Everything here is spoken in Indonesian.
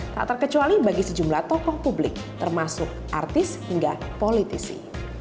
tak terkecuali bagi sejumlah tokoh publik termasuk artis hingga politisi